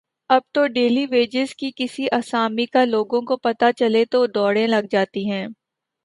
اب تو daily wages کی کسی آسامی کا لوگوں کو پتہ چلے تو دوڑیں لگ جاتی ہیں۔